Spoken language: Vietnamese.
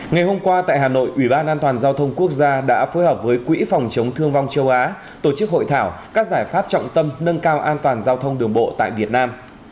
ngày hôm qua tại hà nội ủy ban an toàn giao thông quốc gia đã phối hợp với quỹ phòng chống thương vong châu á tổ chức hội thảo các giải pháp trọng tâm nâng cao an toàn giao thông đường bộ tại việt nam